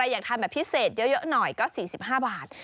อยากทานแบบพิเศษเยอะหน่อยก็๔๕บาท